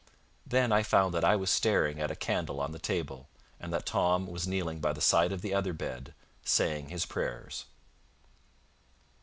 Then I found that I was staring at a candle on the table; and that Tom was kneeling by the side of the other bed, saying his prayers.